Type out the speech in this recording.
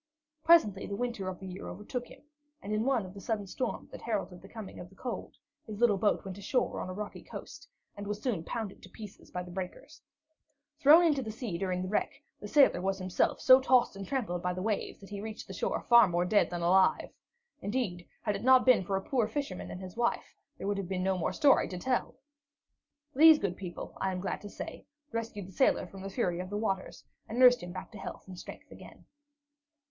Presently the winter of the year overtook him, and in one of the sudden storms that heralded the coming of the cold, his little boat went ashore on a rocky coast, and was soon pounded to pieces by the breakers. Thrown into the sea during the wreck, the sailor was himself so tossed and trampled by the waves that he reached the shore far more dead than alive. Indeed, had it not been for a poor fisherman and his wife, there would have been no more story to tell. These good people, I am glad to say, rescued the sailor from the fury of the waters and nursed him back to health and strength again.